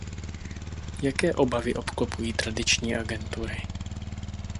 Jaké obavy obklopují tradiční agentury?